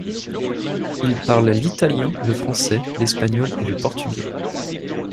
Il parle l'italien, le français, l'espagnol et le portugais.